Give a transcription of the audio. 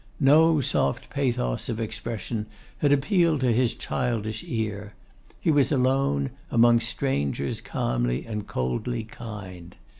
No soft pathos of expression had appealed to his childish ear. He was alone, among strangers calmly and coldly kind.